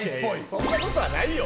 そんなことはないよ！